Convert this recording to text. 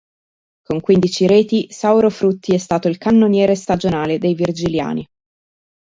Con quindici reti Sauro Frutti è stato il cannoniere stagionale dei virgiliani.